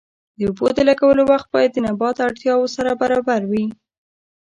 د اوبو د لګولو وخت باید د نبات اړتیاوو سره برابر وي.